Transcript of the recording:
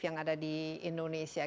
yang ada di indonesia